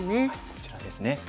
こちらですね。